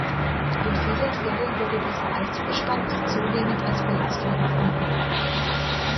In vielen Fällen wurde dieser Altbestand zunehmend als Belastung empfunden.